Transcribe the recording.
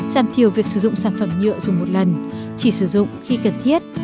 giảm thiểu việc sử dụng sản phẩm nhựa dùng một lần chỉ sử dụng khi cần thiết